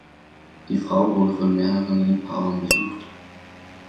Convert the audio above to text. Die Frau wurde von mehreren Liebhabern besucht.